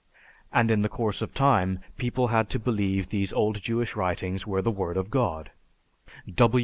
And in the course of time, people had to believe these old Jewish writings were the Word of God."